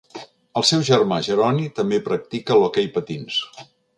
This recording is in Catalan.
El seu germà Jeroni també practicà l'hoquei patins.